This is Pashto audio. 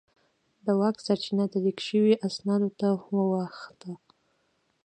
د واک سرچینه د لیک شوو اسنادو ته واوښته.